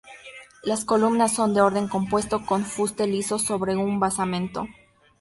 Las columnas son de orden compuesto, con fuste liso sobre un basamento.